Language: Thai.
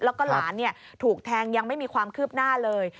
แล้วก็หลานถูกแทงยังไม่มีความคืบหน้าเลย